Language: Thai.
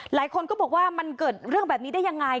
หลายคนก็บอกว่ามันเกิดเรื่องแบบนี้ได้ยังไง